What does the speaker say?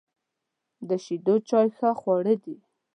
د شیدو چای ښه خواړه دي.